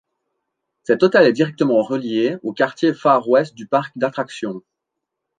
Cet hôtel est directement relié au quartier Far West du parc d'attractions.